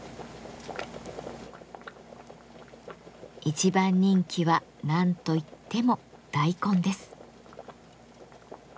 一番人気は何といっても大根です。